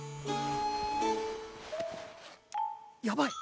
やばい！